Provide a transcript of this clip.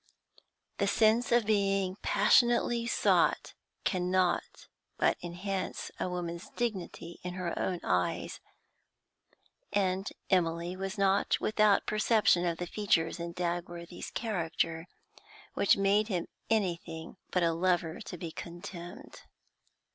The sense of being passionately sought cannot but enhance a woman's dignity in her own eyes, and Emily was not without perception of the features in Dagworthy's character which made him anything but a lover to be contemned.